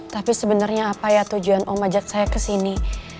tapi sebenernya apa ya tujuan om ajak saya kesini